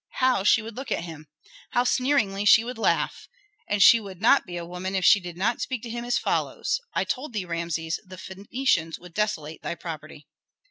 How she would look at him! How sneeringly she would laugh! And she would not be a woman if she did not speak to him as follows: "I told thee, Rameses, that Phœnicians would desolate thy property."